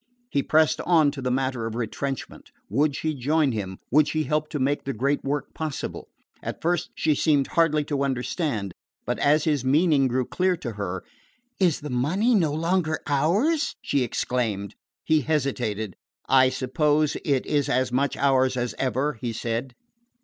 He pressed on to the matter of retrenchment. Would she join him, would she help to make the great work possible? At first she seemed hardly to understand; but as his meaning grew clear to her "Is the money no longer ours?" she exclaimed. He hesitated. "I suppose it is as much ours as ever," he said.